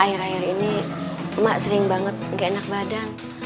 akhir akhir ini emak sering banget gak enak badan